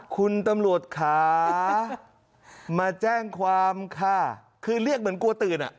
คุณตำรวจค่ะมาแจ้งความค่ะคือเรียกเหมือนกลัวตื่นอ่ะ